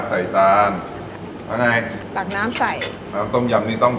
สั่งเยอะมากว่านี้